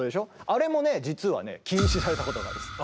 あれもね実はね禁止されたことがあるんです。